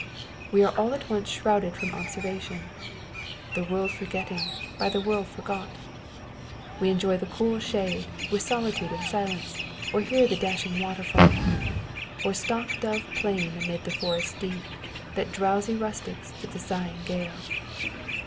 We are all at once shrouded from observation â€" The world forgetting, by the world forgot ! We enjoy the cool shade, with solitude and silence ; or hear the dashing waterfall, Or stock dove plain amid the forest deep, That drowsy rustles to the sighing gale.